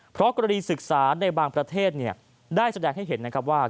เพราะกรณีศึกษาในบางประเทศได้แสดงให้เห็นนะครับว่า